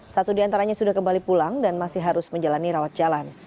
satu diantaranya sudah kembali pulang dan masih harus menjalani rawat jalan